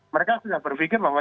mereka sudah berpikir bahwa